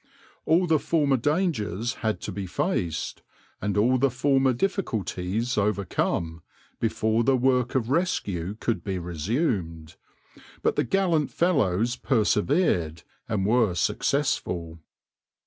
All the former dangers had to be faced and all the former difficulties overcome before the work of rescue could be resumed, but the gallant fellows persevered and were successful.